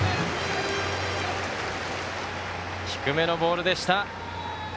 低めのボールでした。